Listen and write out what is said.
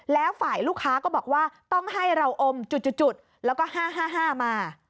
แล้วฝ่ายลูกค้าก็บอกว่าต้องให้เราอมจุดแล้วก็๕๕มา